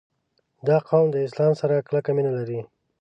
• دا قوم د اسلام سره کلکه مینه لري.